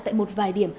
tại một vài điểm